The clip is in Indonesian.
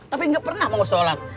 tapi nggak pernah mau sholat